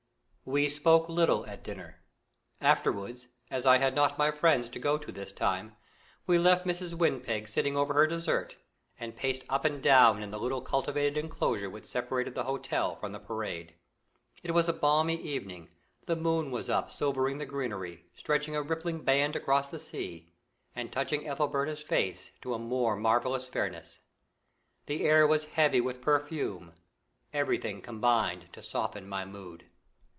We spoke little at dinner; afterwards, as I had not my friends to go to this time, we left Mrs. Windpeg sitting over her dessert, and paced up and down in the little cultivated enclosure which separated the hotel from the parade. It was a balmy evening; the moon was up, silvering the greenery, stretching a rippling band across the sea, and touching Ethelberta's face to a more marvellous fairness. The air was heavy with perfume; everything combined to soften my mood.